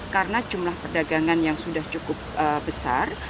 karena jumlah perdagangan yang sudah cukup besar